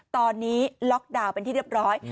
ตอนนี้ล็อกดาวน์เป็นที่เรียบร้อย